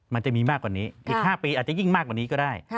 มันจะมีมากกว่านี้อีก๕ปีอาจจะยิ่งมากกว่านี้ก็ได้